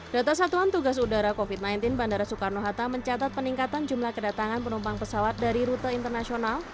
data satuan tugas udara covid sembilan belas bandara soekarno hatta mencatat peningkatan jumlah kedatangan penumpang pesawat dari rute internasional